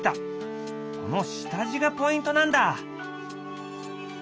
この下地がポイントなんだ！